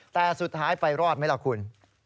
แต่สุดท้ายไปรอดไหมล่ะคุณ